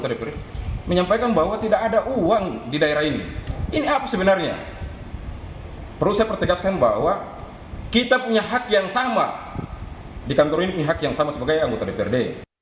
dikantor ini ini hak yang sama sebagai anggota dprd